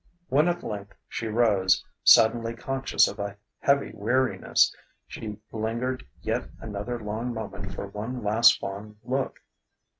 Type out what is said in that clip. When at length she rose, suddenly conscious of a heavy weariness, she lingered yet another long moment for one last fond look.